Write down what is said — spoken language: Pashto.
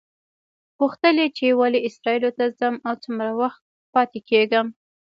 پوښتل یې چې ولې اسرائیلو ته ځم او څومره وخت پاتې کېږم.